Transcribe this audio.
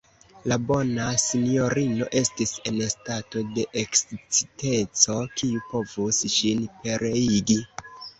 La bona sinjorino estis en stato de eksciteco, kiu povos ŝin pereigi.